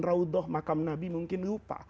raudah makam nabi mungkin lupa